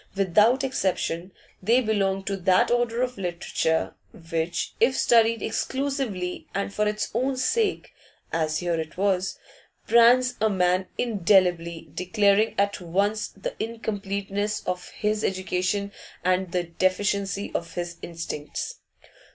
Without exception they belonged to that order of literature which, if studied exclusively and for its own sake, as here it was, brands a man indelibly, declaring at once the incompleteness of his education and the deficiency of his instincts.